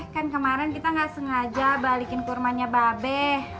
kan kemarin kita nggak sengaja balikin kurmanya babe